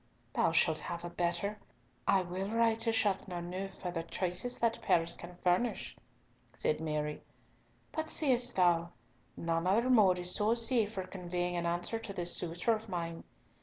"Thou shalt have a better. I will write to Chateauneuf for the choicest that Paris can furnish," said Mary, "but seest thou, none other mode is so safe for conveying an answer to this suitor of mine!